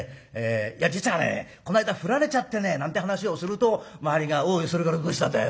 「実はねこの間フラれちゃってね」なんて話をすると周りが「おいそれからどうしたんだよ」